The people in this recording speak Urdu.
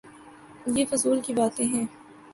یہ فضول کی باتیں ہیں۔